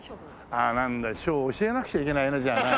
なんだ書を教えなくちゃいけないなじゃあな。